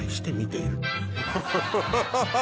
ハハハハ。